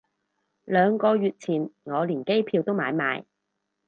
兩個月前我連機票都買埋